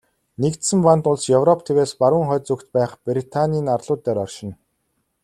Нэгдсэн вант улс Европ тивээс баруун хойд зүгт байх Британийн арлууд дээр оршино.